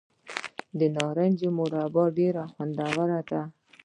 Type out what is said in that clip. د نارنج مربا ډیره خوندوره ده.